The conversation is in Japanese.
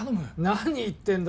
何言ってんだ